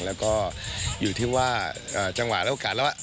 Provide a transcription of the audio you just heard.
แล้วก็อยู่ที่ว่าจังหวะและโอกาสแล้ว